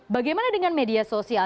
bagaimana dengan media sosial